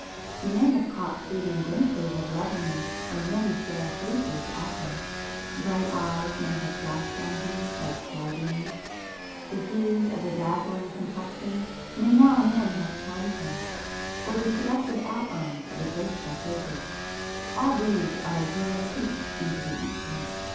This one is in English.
He may have caught fleeting glimpses of loveliness on many fair faces often,—bright eyes may have flashed on him like star beams,—the hues of a dazzling complexion may now and then have charmed him, or the seductive outlines of a graceful figure;—all these are as mere peeps into the infinite.